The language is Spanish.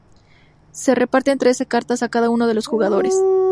Se reparten trece cartas a cada uno de los jugadores.